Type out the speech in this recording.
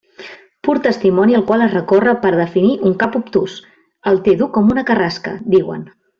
Pur testimoni al qual es recorre per a definir un cap obtús: «el té dur com una carrasca», diuen.